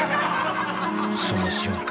その瞬間